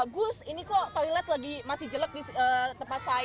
gus ini kok toilet lagi masih jelek di tempat saya